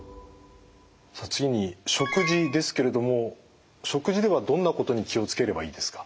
さあ次に食事ですけれども食事ではどんなことに気を付ければいいですか？